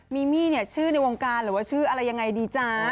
มีมี่เนี่ยชื่อในวงการหรือว่าชื่ออะไรยังไงดีจ๊ะ